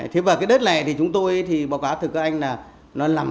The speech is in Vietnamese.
thế và cái đất này thì chúng tôi thì báo cáo thực các anh là